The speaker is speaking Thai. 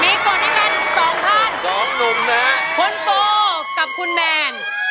มีกดให้กัน๒ท่านคุณโฟกับคุณแมน